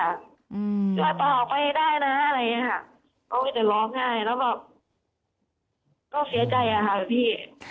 ก็ไม่ได้ร้องไห้แล้วแบบก็เสียใจค่ะพี่